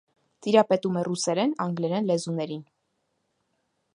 Տիրապետում է ռուսերեն, անգլերեն լեզուներին։